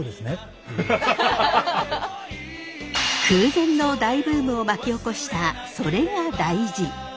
空前の大ブームを巻き起こした「それが大事」。